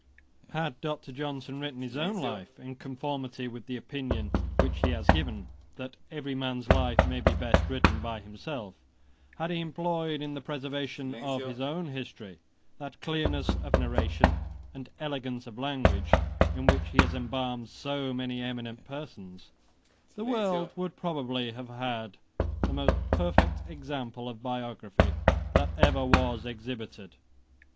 Had Dr. Johnson written his own life, in conformity with the opinion which he has given, that every man's life may be best written by himself; had he employed in the preservation of his own history, that clearness of narration and elegance of language in which he has embalmed so many eminent persons, the world would probably have had the most perfect example of biography that was ever exhibited.